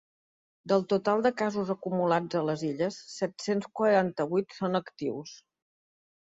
Del total de casos acumulats a les Illes, set-cents quaranta-vuit són actius.